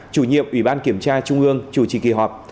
chủ nhiệm ủy ban kiểm tra trung ương chủ trì kỳ họp